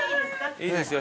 いいですよ